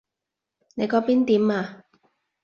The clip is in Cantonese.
你嗰邊點啊？